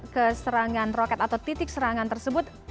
ke serangan roket atau titik serangan tersebut